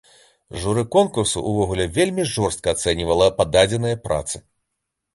Журы конкурсу ўвогуле вельмі жорстка ацэньвала пададзеныя працы.